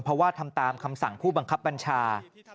เพราะว่าทำตามคำสั่งผู้บังคับบัญชา